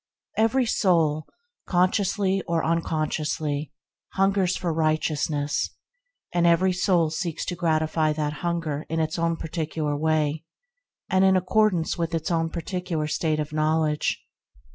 Every soul consciously or unconsciously hungers for righteousness, and every soul 10 ENTERING THE KINGDOM seeks to gratify that hunger in its own par ticular way and in accordance with its own particular state of knowledge.